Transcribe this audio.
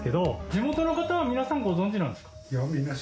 地元の方は皆さんご存じなんですか？